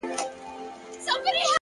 ریښتینی قوت له باور سرچینه اخلي.!